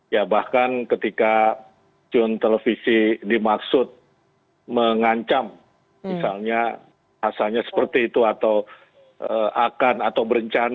ya bahkan ketika jun televisi dimaksud mengancam misalnya asalnya seperti itu atau akan atau berencana